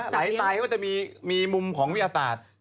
ใช่มั้ยไหลตายก็มีมุมของวิทยาศาสตร์